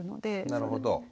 なるほど。